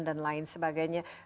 dan lain sebagainya